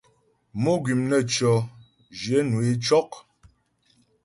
Mò gwìm naə́tʉɔ̂, zhwyə̂nwə é cɔ́'.